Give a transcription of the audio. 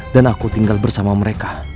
dan aku tinggal bersama mereka